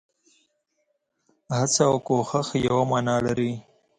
هڅه او کوښښ يوه مانا لري.